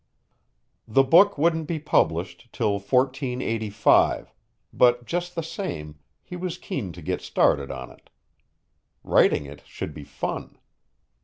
The book wouldn't be published till 1485, but just the same, he was keen to get started on it. Writing it should be fun.